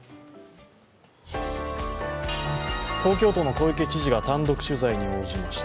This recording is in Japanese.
東京都の小池知事が単独取材に応じました。